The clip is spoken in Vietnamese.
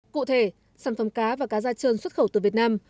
cụ thể sản phẩm cá và cá da trơn xuất khẩu từ việt nam